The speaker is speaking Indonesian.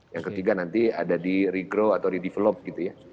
yang ketiga nanti ada di regrow atau di develop gitu ya